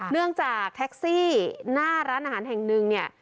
เนื่องจากแท็กซี่หน้าร้านอาหารแห่งหนึ่งเนี่ย